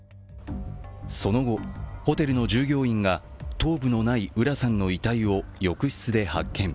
その後、ホテルの従業員が頭部のない浦さんの遺体を浴室で発見。